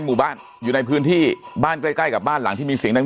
หมู่บ้านอยู่ในพื้นที่บ้านใกล้ใกล้กับบ้านหลังที่มีเสียงดัง